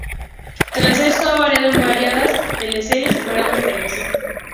Tras esto ha participado en variadas teleseries y programas de televisión.